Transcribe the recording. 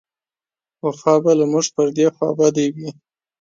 وفا به له موږ پر دې خوابدۍ و.